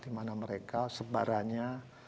di mana mereka sebaranya